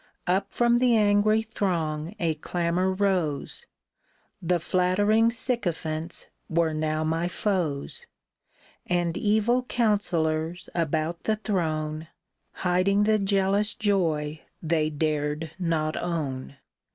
Up from the angry throng a clamor rose ; The flattering sycophants were now my foes ; And evil counsellors about the throne, Hiding the jealous joy they dared not own.